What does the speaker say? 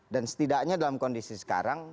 dan setidaknya dalam kondisi sekarang